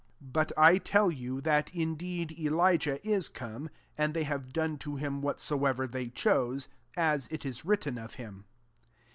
1 3 " But I tell you, that indeed Elijah is come, and they have done to him whatsoever they chose; as it is written of him.''